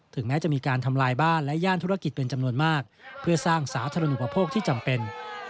แม้จะมีการทำลายบ้านและย่านธุรกิจเป็นจำนวนมากเพื่อสร้างสาธารณูปโภคที่จำเป็น